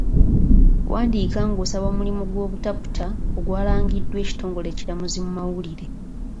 Wandiika ng'osaba omulimu gw'obutaputa ogwalangiddwa ekitongole ekiramuzi mu mawulire.